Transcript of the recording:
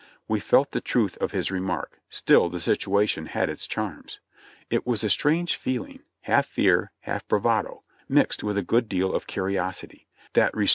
We felt the truth of his remark, still the situation had its charms. It was a strange feeling, half fear, half bravado, mixed with a good deal of curiosity, that restrained while it urged us on.